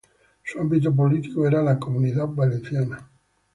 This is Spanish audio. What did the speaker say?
Su ámbito político era la Comunidad Valenciana.